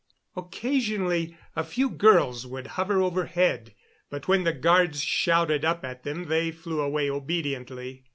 Occasionally a few girls would hover overhead, but when the guards shouted up at them they flew away obediently.